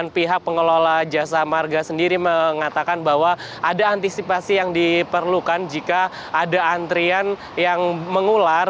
pihak pengelola jasa marga sendiri mengatakan bahwa ada antisipasi yang diperlukan jika ada antrian yang mengular